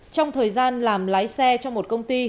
trong thời gian làm lái xe cho một công ty